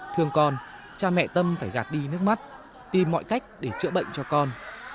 thương con cha mẹ tâm phải gạt đi nước mắt tìm mọi cách để chữa bệnh cho con